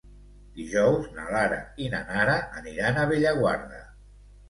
Dijous na Lara i na Nara aniran a Bellaguarda.